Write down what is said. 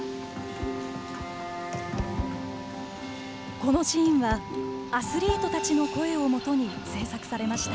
このシーンはアスリートたちの声をもとに制作されました。